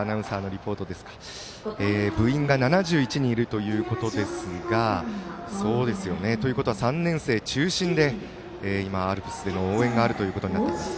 部員が７１人いるということですがということは３年生中心でアルプスの応援があるということになっています。